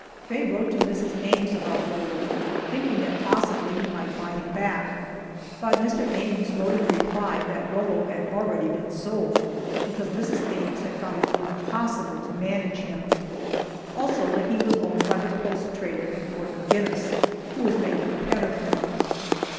Faye wrote to Mr. Ames about Rollo, thinking that possibly he might buy him back, but Mr. Ames wrote in reply that Rollo had already been sold, because Mrs. Ames had found it impossible to manage him. Also that he was owned by the post trader at Fort Maginnis, who was making a pet of him.